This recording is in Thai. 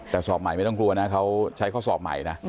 แต่สอบใหม่ไม่ต้องกลัวนะเขาใช้ข้อสอบใหม่นะ